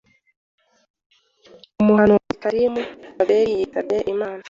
Umuhanzi Karim Babel yitabye Imana